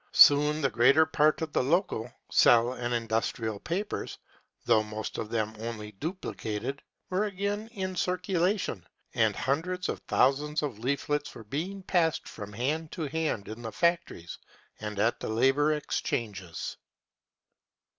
Soon the greater part of the local, cell and industrial papers — though most of them only duplicated — were again in circula tion, and hundreds of thousands of leaflets were being passed from hand to hand in the factories and at the Labour Exchanges."